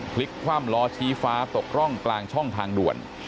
พลิกคว่ำล้อชี้ฟ้าตกร่องกลางช่องทางด่วน